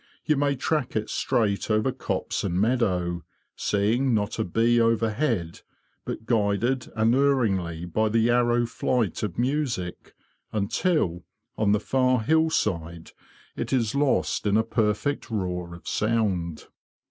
You may track it straight over copse and meadow, seeing not a bee overhead, but guided unerringly by the arrow flight of music, until, on the far hill side, it is lost in a perfect roar of sound.